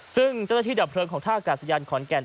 ซึ่งเจ้าหน้าที่ดับเพลิงของท่ากาศยานขอนแก่น